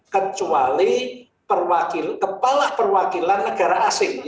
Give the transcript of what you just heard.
kecuali kepala perwakilan negara asing